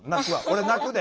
俺泣くで。